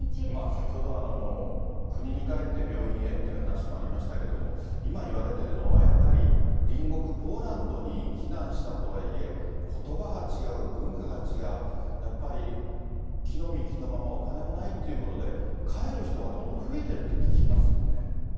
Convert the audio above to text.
先ほど、国に帰って病院へっていう話もありましたけども、今言われてるのは、やっぱり、隣国ポーランドに避難したとはいえ、ことばが違う、文化が違う、やっぱり、着のみ着のまま、お金もないっていうことで、帰る人がどんどん増えてるって聞きますよね。